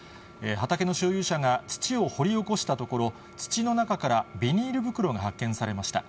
畑の所有者が土を掘り起こしたところ、土の中からビニール袋が発見されました。